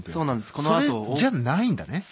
それじゃないんだね。